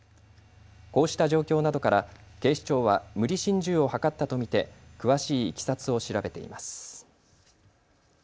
こうした状況などから警視庁は無理心中を図ったと見て詳しいいきさつを調べています。